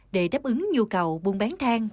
để đáp ứng nhu cầu buôn bán thang